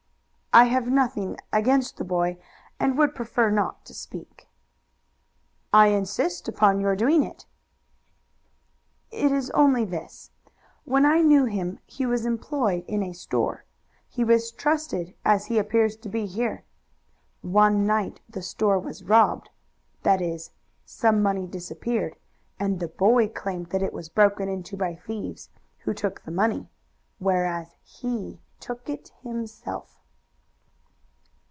"I have nothing against the boy, and would prefer not to speak." "I insist upon your doing it." "It is only this. When I knew him he was employed in a store. He was trusted as he appears to be here. One night the store was robbed that is, some money disappeared, and the boy claimed that it was broken into by thieves, who took the money, whereas he took it himself."